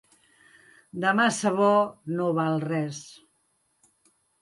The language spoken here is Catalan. De massa bo, no val res.